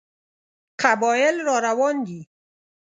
قبایل را روان دي.